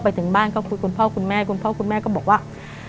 ไปถึงบ้านก็คุยกับคุณพ่อคุณแม่กูก็บอกว่า